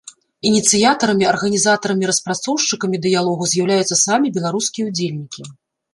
Ініцыятарамі, арганізатарамі і распрацоўшчыкамі дыялогу з'яўляюцца самі беларускія ўдзельнікі.